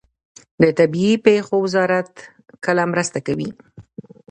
د طبیعي پیښو وزارت کله مرسته کوي؟